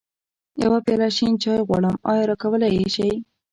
يوه پياله شين چای غواړم، ايا راکولی يې شې؟